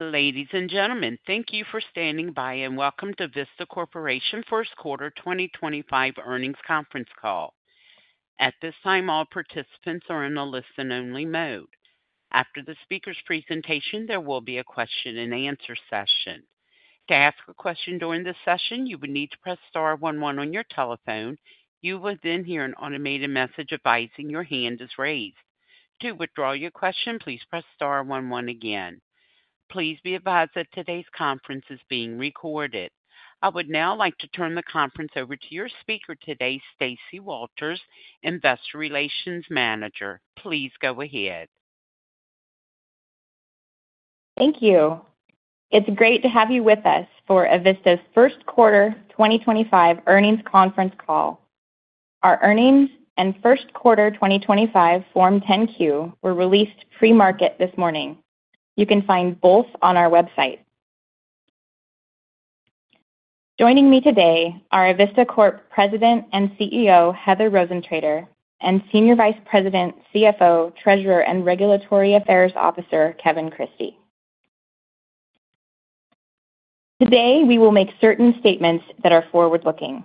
Ladies and gentlemen, thank you for standing by and welcome to Avista Corporation first quarter 2025 earnings conference call. At this time, all participants are in a listen-only mode. After the speaker's presentation, there will be a question-and-answer session. To ask a question during this session, you would need to press star one one on your telephone. You will then hear an automated message advising your hand is raised. To withdraw your question, please press star one one again. Please be advised that today's conference is being recorded. I would now like to turn the conference over to your speaker today, Stacey Walters, Investor Relations Manager. Please go ahead. Thank you. It's great to have you with us for Avista's first quarter 2025 earnings conference call. Our earnings and first quarter 2025 Form 10-Q were released pre-market this morning. You can find both on our website. Joining me today are Avista Corp President and CEO Heather Rosentrater and Senior Vice President, CFO, Treasurer, and Regulatory Affairs Officer Kevin Christie. Today, we will make certain statements that are forward-looking.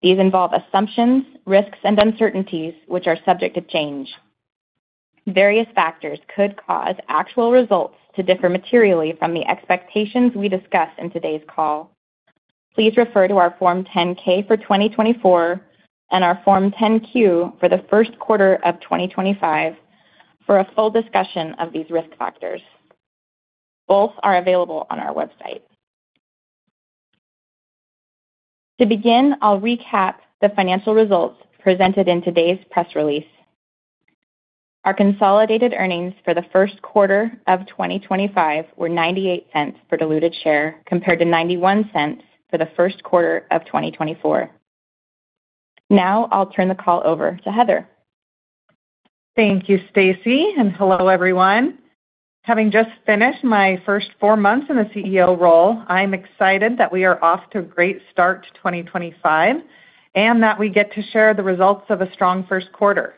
These involve assumptions, risks, and uncertainties, which are subject to change. Various factors could cause actual results to differ materially from the expectations we discuss in today's call. Please refer to our Form 10-K for 2024 and our Form 10-Q for the first quarter of 2025 for a full discussion of these risk factors. Both are available on our website. To begin, I'll recap the financial results presented in today's press release. Our consolidated earnings for the first quarter of 2025 were $0.98 per diluted share compared to $0.91 for the first quarter of 2024. Now, I'll turn the call over to Heather. Thank you, Stacey, and hello, everyone. Having just finished my first four months in the CEO role, I'm excited that we are off to a great start to 2025 and that we get to share the results of a strong first quarter.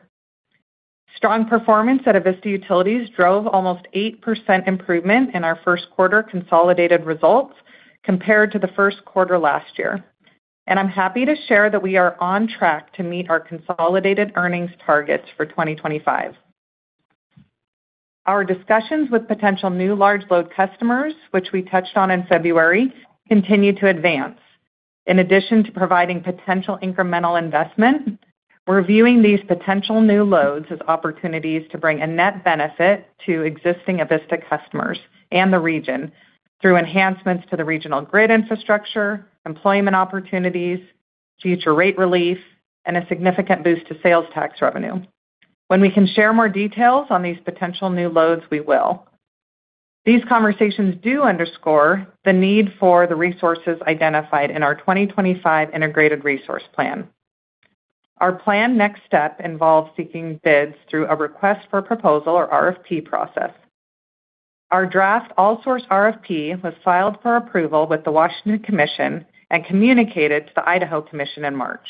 Strong performance at Avista Utilities drove almost 8% improvement in our first quarter consolidated results compared to the first quarter last year. I'm happy to share that we are on track to meet our consolidated earnings targets for 2025. Our discussions with potential new large load customers, which we touched on in February, continue to advance. In addition to providing potential incremental investment, we're viewing these potential new loads as opportunities to bring a net benefit to existing Avista customers and the region through enhancements to the regional grid infrastructure, employment opportunities, future rate relief, and a significant boost to sales tax revenue. When we can share more details on these potential new loads, we will. These conversations do underscore the need for the resources identified in our 2025 Integrated Resource Plan. Our planned next step involves seeking bids through a request for proposal or RFP process. Our draft All-Source RFP was filed for approval with the Washington Commission and communicated to the Idaho Commission in March.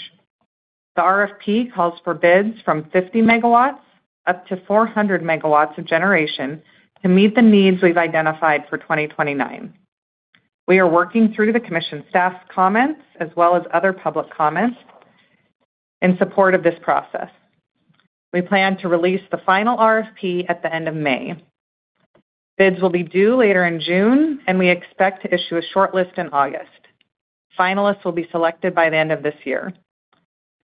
The RFP calls for bids from 50 MW up to 400 MW of generation to meet the needs we've identified for 2029. We are working through the Commission staff comments as well as other public comments in support of this process. We plan to release the final RFP at the end of May. Bids will be due later in June, and we expect to issue a shortlist in August. Finalists will be selected by the end of this year.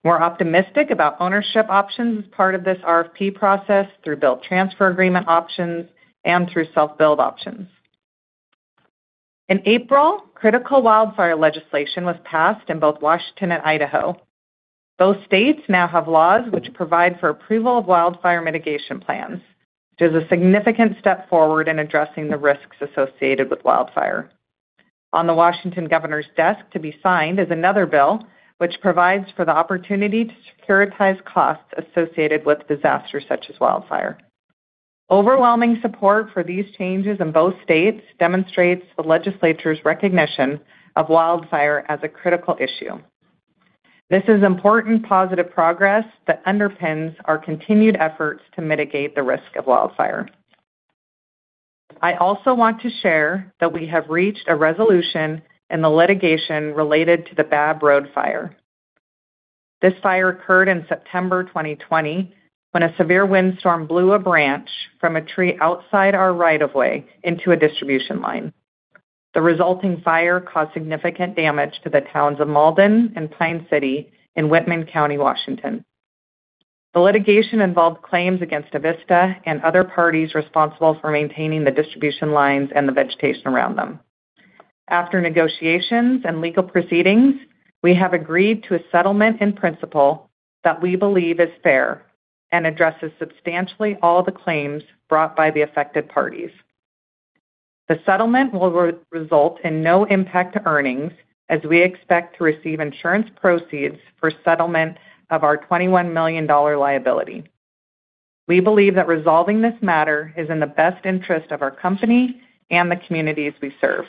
We're optimistic about ownership options as part of this RFP process through bill transfer agreement options and through self-billed options. In April, critical wildfire legislation was passed in both Washington and Idaho. Both states now have laws which provide for approval of wildfire mitigation plans, which is a significant step forward in addressing the risks associated with wildfire. On the Washington Governor's desk to be signed is another bill which provides for the opportunity to securitize costs associated with disasters such as wildfire. Overwhelming support for these changes in both states demonstrates the legislature's recognition of wildfire as a critical issue. This is important positive progress that underpins our continued efforts to mitigate the risk of wildfire. I also want to share that we have reached a resolution in the litigation related to the Babb Road fire. This fire occurred in September 2020 when a severe windstorm blew a branch from a tree outside our right of way into a distribution line. The resulting fire caused significant damage to the towns of Malden and Pine City in Whitman County, Washington. The litigation involved claims against Avista and other parties responsible for maintaining the distribution lines and the vegetation around them. After negotiations and legal proceedings, we have agreed to a settlement in principle that we believe is fair and addresses substantially all the claims brought by the affected parties. The settlement will result in no impact to earnings as we expect to receive insurance proceeds for settlement of our $21 million liability. We believe that resolving this matter is in the best interest of our company and the communities we serve.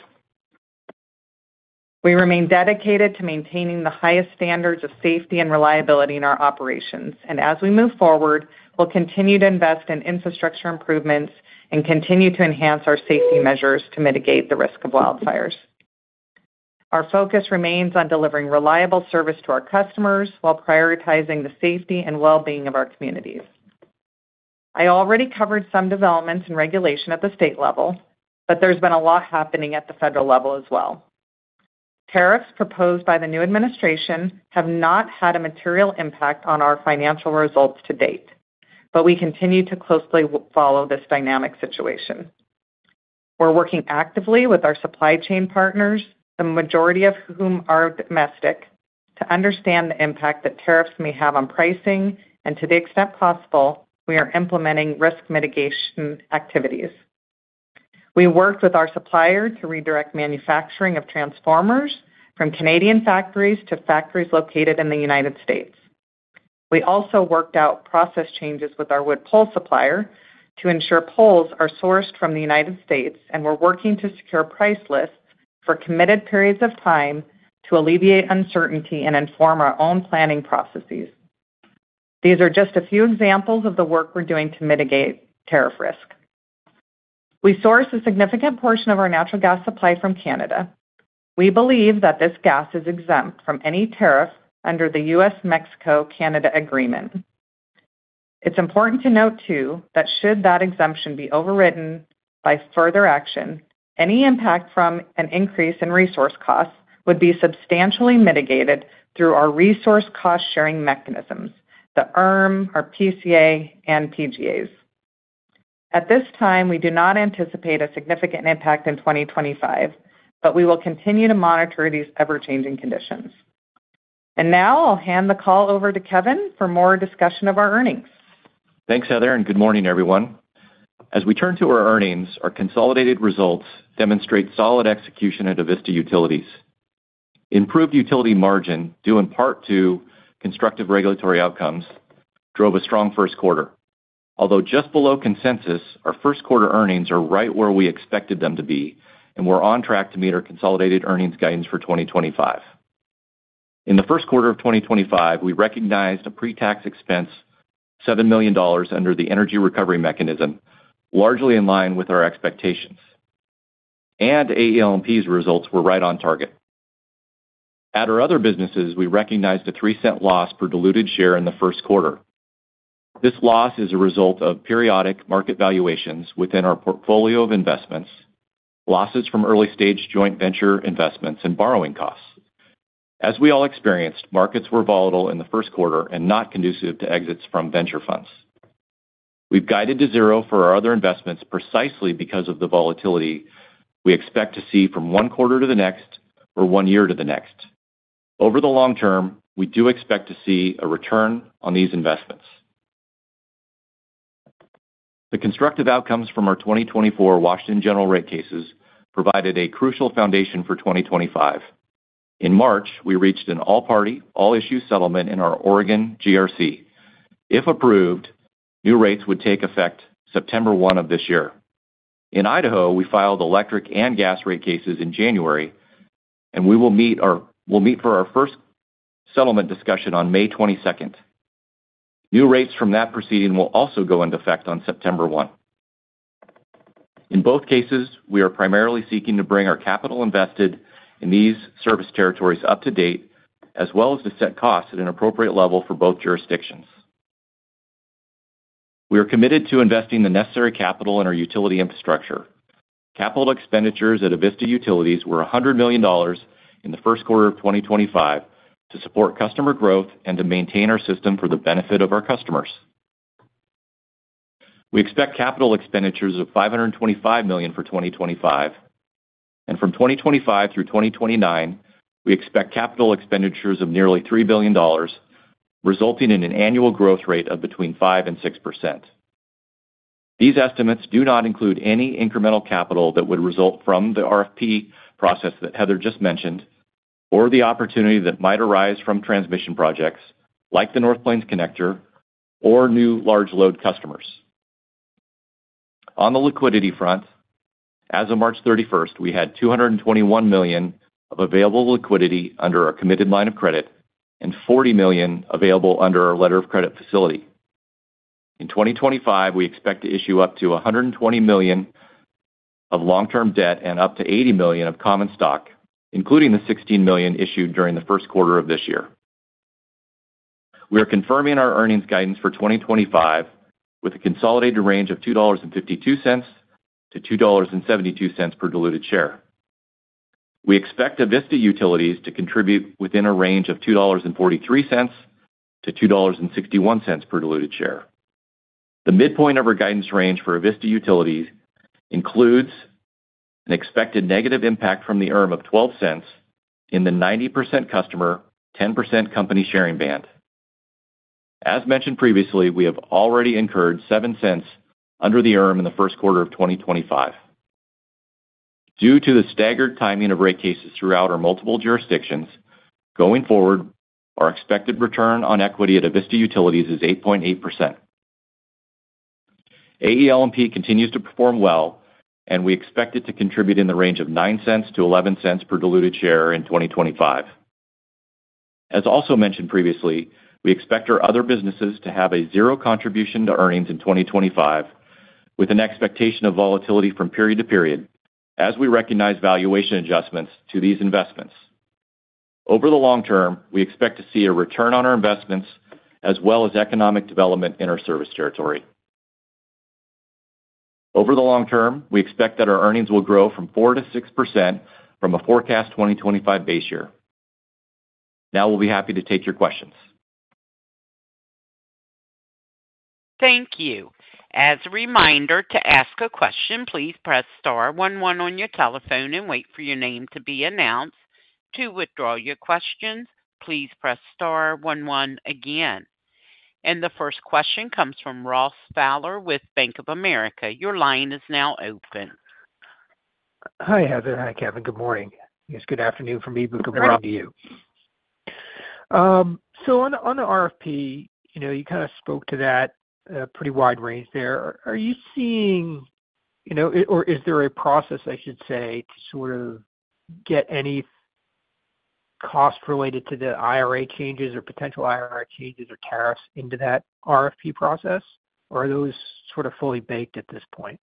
We remain dedicated to maintaining the highest standards of safety and reliability in our operations, and as we move forward, we will continue to invest in infrastructure improvements and continue to enhance our safety measures to mitigate the risk of wildfires. Our focus remains on delivering reliable service to our customers while prioritizing the safety and well-being of our communities. I already covered some developments in regulation at the state level, but there has been a lot happening at the federal level as well. Tariffs proposed by the new administration have not had a material impact on our financial results to date, but we continue to closely follow this dynamic situation. We are working actively with our supply chain partners, the majority of whom are domestic, to understand the impact that tariffs may have on pricing, and to the extent possible, we are implementing risk mitigation activities. We worked with our supplier to redirect manufacturing of transformers from Canadian factories to factories located in the United States. We also worked out process changes with our wood pole supplier to ensure poles are sourced from the United States, and we are working to secure price lists for committed periods of time to alleviate uncertainty and inform our own planning processes. These are just a few examples of the work we are doing to mitigate tariff risk. We source a significant portion of our natural gas supply from Canada. We believe that this gas is exempt from any tariff under the U.S.-Mexico-Canada agreement. It is important to note, too, that should that exemption be overridden by further action, any impact from an increase in resource costs would be substantially mitigated through our resource cost-sharing mechanisms, the ERM, our PCA, and PGAs. At this time, we do not anticipate a significant impact in 2025, but we will continue to monitor these ever-changing conditions. I will hand the call over to Kevin for more discussion of our earnings. Thanks, Heather, and good morning, everyone. As we turn to our earnings, our consolidated results demonstrate solid execution at Avista Utilities. Improved utility margin, due in part to constructive regulatory outcomes, drove a strong first quarter. Although just below consensus, our first quarter earnings are right where we expected them to be, and we're on track to meet our consolidated earnings guidance for 2025. In the first quarter of 2025, we recognized a pre-tax expense, $7 million under the energy recovery mechanism, largely in line with our expectations. And AEL&P's results were right on target. At our other businesses, we recognized a $0.03 loss per diluted share in the first quarter. This loss is a result of periodic market valuations within our portfolio of investments, losses from early-stage joint venture investments, and borrowing costs. As we all experienced, markets were volatile in the first quarter and not conducive to exits from venture funds. We've guided to zero for our other investments precisely because of the volatility we expect to see from one quarter to the next or one year to the next. Over the long term, we do expect to see a return on these investments. The constructive outcomes from our 2024 Washington general rate cases provided a crucial foundation for 2025. In March, we reached an all-party, all-issue settlement in our Oregon general rate case. If approved, new rates would take effect September 1st of this year. In Idaho, we filed electric and gas rate cases in January, and we will meet for our first settlement discussion on May 22nd. New rates from that proceeding will also go into effect on September 1st. In both cases, we are primarily seeking to bring our capital invested in these service territories up to date, as well as to set costs at an appropriate level for both jurisdictions. We are committed to investing the necessary capital in our utility infrastructure. Capital expenditures at Avista Utilities were $100 million in the first quarter of 2025 to support customer growth and to maintain our system for the benefit of our customers. We expect capital expenditures of $525 million for 2025. From 2025 through 2029, we expect capital expenditures of nearly $3 billion, resulting in an annual growth rate of between 5% and 6%. These estimates do not include any incremental capital that would result from the RFP process that Heather just mentioned or the opportunity that might arise from transmission projects like the North Plains connector or new large load customers. On the liquidity front, as of March 31st, we had $221 million of available liquidity under our committed line of credit and $40 million available under our letter of credit facility. In 2025, we expect to issue up to $120 million of long-term debt and up to $80 million of common stock, including the $16 million issued during the first quarter of this year. We are confirming our earnings guidance for 2025 with a consolidated range of $2.52-$2.72 per diluted share. We expect Avista Utilities to contribute within a range of $2.43-$2.61 per diluted share. The midpoint of our guidance range for Avista Utilities includes an expected negative impact from the ERM of $0.12 in the 90% customer, 10% company sharing band. As mentioned previously, we have already incurred $0.07 under the ERM in the first quarter of 2025. Due to the staggered timing of rate cases throughout our multiple jurisdictions, going forward, our expected return on equity at Avista Utilities is 8.8%. AEL&P continues to perform well, and we expect it to contribute in the range of $0.09-$0.11 per diluted share in 2025. As also mentioned previously, we expect our other businesses to have a zero contribution to earnings in 2025, with an expectation of volatility from period to period, as we recognize valuation adjustments to these investments. Over the long term, we expect to see a return on our investments as well as economic development in our service territory. Over the long term, we expect that our earnings will grow from 4%-6% from a forecast 2025 base year. Now we'll be happy to take your questions. Thank you. As a reminder to ask a question, please press star one one on your telephone and wait for your name to be announced. To withdraw your questions, please press star one one again. The first question comes from Ross Fowler with Bank of America. Your line is now open. Hi, Heather. Hi, Kevin. Good morning. Yes, good afternoon from me, but good morning to you. On the RFP, you kind of spoke to that pretty wide range there. Are you seeing, or is there a process, I should say, to sort of get any cost related to the IRA changes or potential IRA changes or tariffs into that RFP process? Are those sort of fully baked at this point?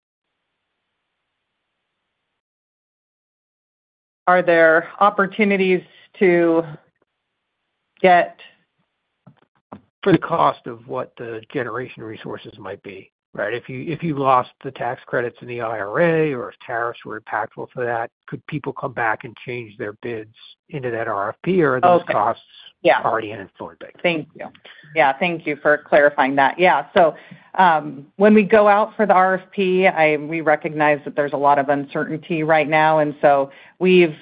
Are there opportunities to get? For the cost of what the generation resources might be, right? If you lost the tax credits in the IRA or if tariffs were impactful to that, could people come back and change their bids into that RFP? Or are those costs already in its own bank? Thank you. Yeah, thank you for clarifying that. Yeah. When we go out for the RFP, we recognize that there's a lot of uncertainty right now. We have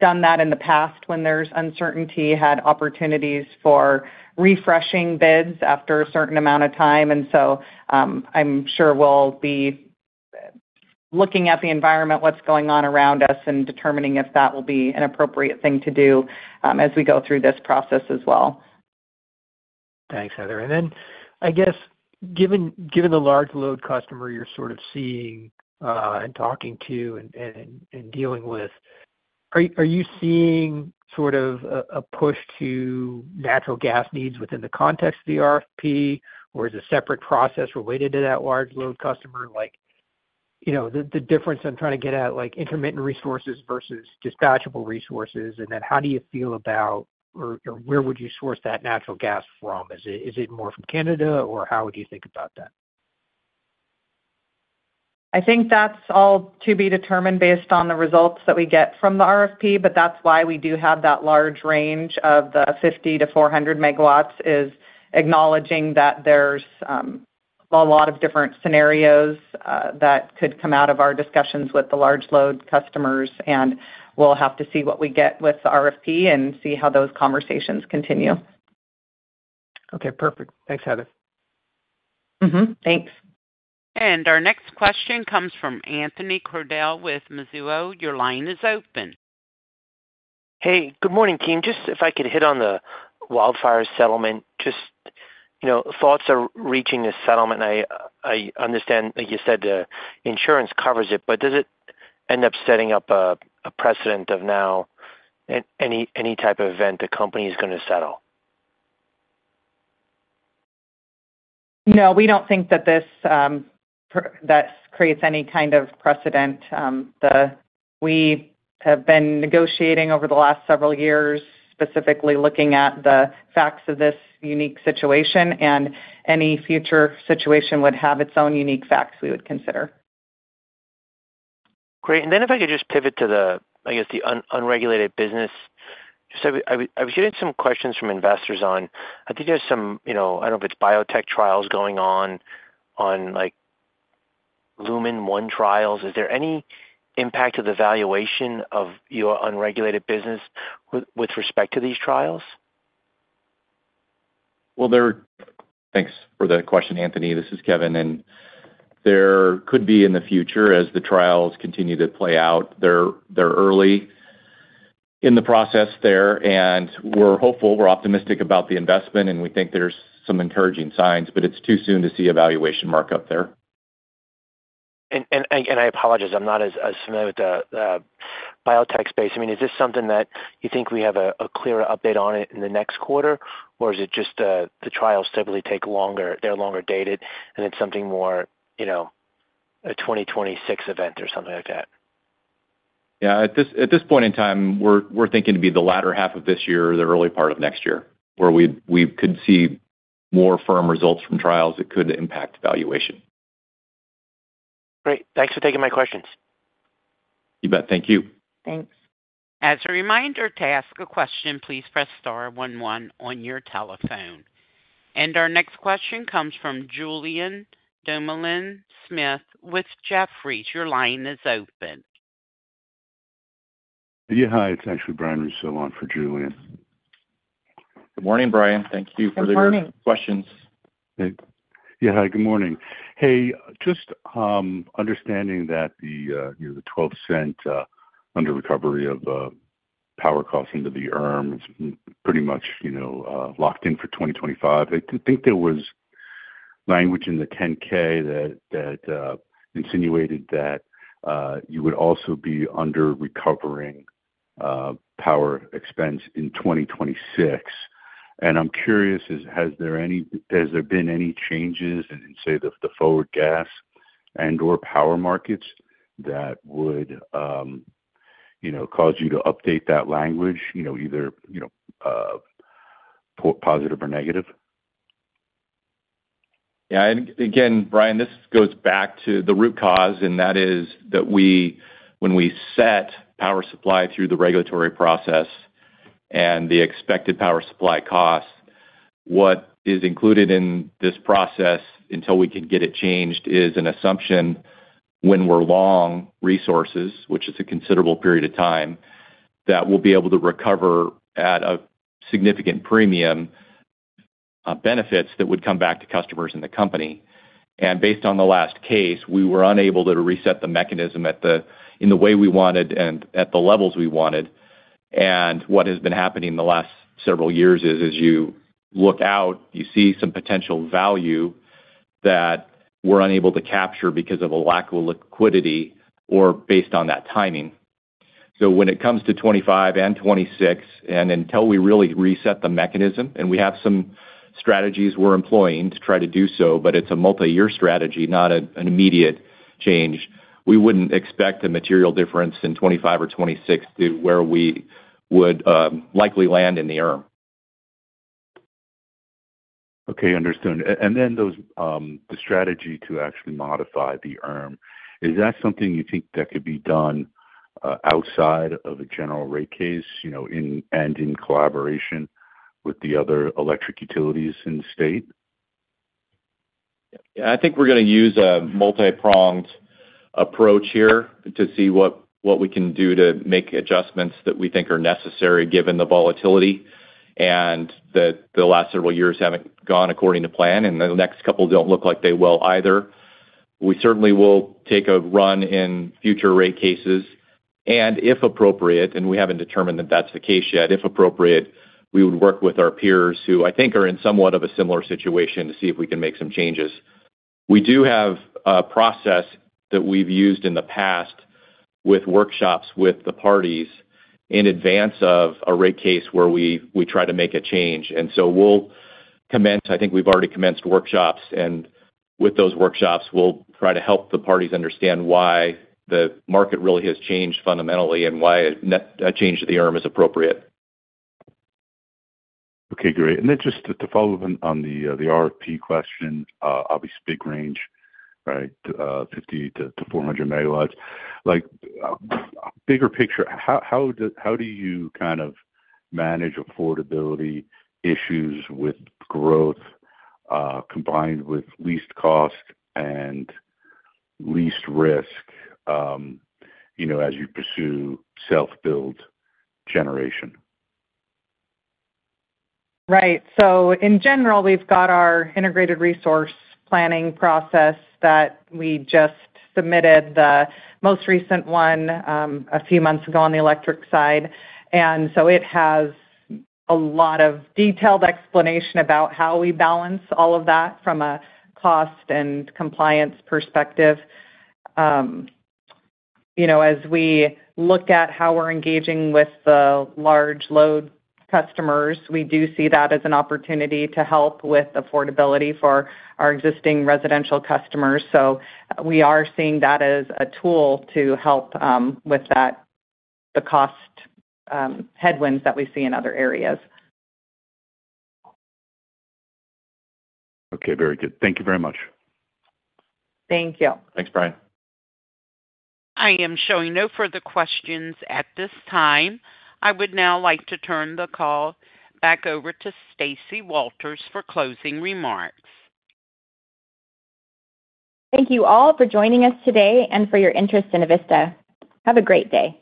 done that in the past when there's uncertainty, had opportunities for refreshing bids after a certain amount of time. I'm sure we'll be looking at the environment, what's going on around us, and determining if that will be an appropriate thing to do as we go through this process as well. Thanks, Heather. I guess, given the large load customer you're sort of seeing and talking to and dealing with, are you seeing sort of a push to natural gas needs within the context of the RFP? Or is a separate process related to that large load customer? The difference I'm trying to get at, like intermittent resources versus dispatchable resources, and then how do you feel about, or where would you source that natural gas from? Is it more from Canada, or how would you think about that? I think that's all to be determined based on the results that we get from the RFP, but that's why we do have that large range of the 50-400 MW, is acknowledging that there's a lot of different scenarios that could come out of our discussions with the large load customers. We'll have to see what we get with the RFP and see how those conversations continue. Okay. Perfect. Thanks, Heather. Thanks. Our next question comes from Anthony Crowdell with Mizuho. Your line is open. Hey, good morning, team. Just if I could hit on the wildfire settlement, just thoughts are reaching a settlement. I understand, like you said, the insurance covers it, but does it end up setting up a precedent of now any type of event the company is going to settle? No, we don't think that this creates any kind of precedent. We have been negotiating over the last several years, specifically looking at the facts of this unique situation, and any future situation would have its own unique facts we would consider. Great. If I could just pivot to the, I guess, the unregulated business. I was getting some questions from investors on, I think there's some, I don't know if it's biotech trials going on, on LUMEN-1 trials. Is there any impact to the valuation of your unregulated business with respect to these trials? Thanks for the question, Anthony. This is Kevin. There could be in the future, as the trials continue to play out, they're early in the process there. We're hopeful, we're optimistic about the investment, and we think there's some encouraging signs, but it's too soon to see a valuation markup there. I apologize, I'm not as familiar with the biotech space. I mean, is this something that you think we have a clearer update on in the next quarter, or is it just the trials typically take longer, they're longer dated, and it's something more a 2026 event or something like that? Yeah. At this point in time, we're thinking it'd be the latter half of this year or the early part of next year, where we could see more firm results from trials that could impact valuation. Great. Thanks for taking my questions. You bet. Thank you. Thanks. As a reminder to ask a question, please press star one one on your telephone. Our next question comes from Julien Dumoulin-Smith with Jefferies. Your line is open. Yeah. Hi, it's actually Brian Russo on for Julian. Good morning, Brian. Thank you for the questions. Good morning. Yeah. Hi, good morning. Hey, just understanding that the $0.12 under-recovery of power costs into the ERM is pretty much locked in for 2025. I think there was language in the 10-K that insinuated that you would also be under-recovering power expense in 2026. I'm curious, has there been any changes in, say, the forward gas and/or power markets that would cause you to update that language, either positive or negative? Yeah. Again, Brian, this goes back to the root cause, and that is that when we set power supply through the regulatory process and the expected power supply cost, what is included in this process until we can get it changed is an assumption when we're long resources, which is a considerable period of time, that we'll be able to recover at a significant premium benefits that would come back to customers and the company. Based on the last case, we were unable to reset the mechanism in the way we wanted and at the levels we wanted. What has been happening the last several years is, as you look out, you see some potential value that we're unable to capture because of a lack of liquidity or based on that timing. When it comes to 2025 and 2026, and until we really reset the mechanism, and we have some strategies we're employing to try to do so, but it's a multi-year strategy, not an immediate change, we wouldn't expect a material difference in 2025 or 2026 to where we would likely land in the ERM. Okay. Understood. Then the strategy to actually modify the ERM, is that something you think that could be done outside of a general rate case and in collaboration with the other electric utilities in the state? Yeah. I think we're going to use a multi-pronged approach here to see what we can do to make adjustments that we think are necessary given the volatility and that the last several years haven't gone according to plan, and the next couple don't look like they will either. We certainly will take a run in future rate cases. If appropriate, and we haven't determined that that's the case yet, if appropriate, we would work with our peers who I think are in somewhat of a similar situation to see if we can make some changes. We do have a process that we've used in the past with workshops with the parties in advance of a rate case where we try to make a change. I think we've already commenced workshops. With those workshops, we'll try to help the parties understand why the market really has changed fundamentally and why a change to the ERM is appropriate. Okay. Great. Just to follow up on the RFP question, obviously big range, right, 50-400 MW. Bigger picture, how do you kind of manage affordability issues with growth combined with least cost and least risk as you pursue self-build generation? Right. In general, we've got our integrated resource planning process that we just submitted, the most recent one a few months ago on the electric side. It has a lot of detailed explanation about how we balance all of that from a cost and compliance perspective. As we look at how we're engaging with the large load customers, we do see that as an opportunity to help with affordability for our existing residential customers. We are seeing that as a tool to help with the cost headwinds that we see in other areas. Okay. Very good. Thank you very much. Thank you. Thanks, Brian. I am showing no further questions at this time. I would now like to turn the call back over to Stacey Walters for closing remarks. Thank you all for joining us today and for your interest in Avista. Have a great day.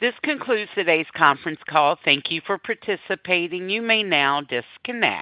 This concludes today's conference call. Thank you for participating. You may now disconnect.